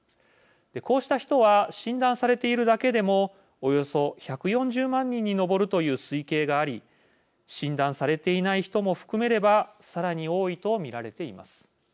こうした人は診断されているだけでもおよそ１４０万人に上るという推計があり診断されていない人も含めればさらに多いと見られています。